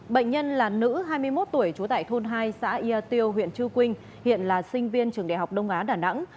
bệnh nhân là nữ hai mươi một tuổi trú tại thôn hai xã ia tiêu huyện chư quynh hiện là sinh viên trường đại học đông á đà nẵng